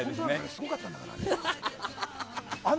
すごかったんだから、あれ。